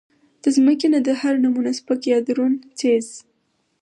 د زمکې نه د هر نمونه سپک يا درون څيز